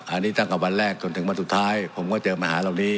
อันนี้ตั้งแต่วันแรกจนถึงวันสุดท้ายผมก็เจอปัญหาเหล่านี้